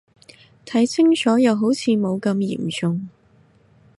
睇清楚又好似冇咁嚴重